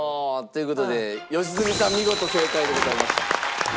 という事で良純さん見事正解でございました。